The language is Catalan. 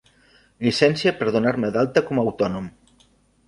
Llicència per donar-me d'alta com a autònom.